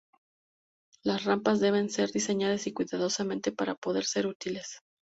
Las rampas deben ser diseñadas cuidadosamente para poder ser útiles.